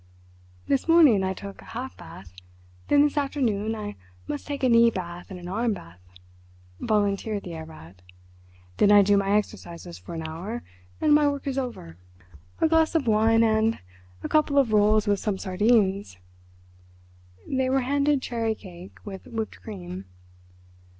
"This morning I took a half bath. Then this afternoon I must take a knee bath and an arm bath," volunteered the Herr Rat; "then I do my exercises for an hour, and my work is over. A glass of wine and a couple of rolls with some sardines—" They were handed cherry cake with whipped cream.